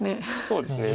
そうですね。